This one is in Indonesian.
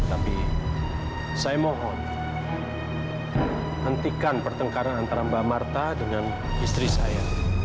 tapi saya mohon hentikan pertengkaran antara mbak marta dengan istri saya